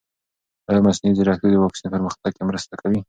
ایا مصنوعي ځیرکتیا د واکسین پرمختګ کې مرسته کوي؟